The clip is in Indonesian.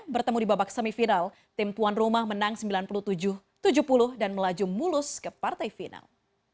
bertemu di babak semifinal tim tuan rumah menang sembilan puluh tujuh tujuh puluh dan melaju mulus ke partai final